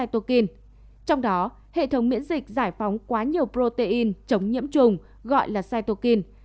trong đó hệ thống miễn dịch giải phóng quá nhiều protein chống nhiễm trùng gọi là saitokin